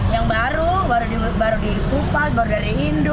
yang baru baru diupas baru dari induk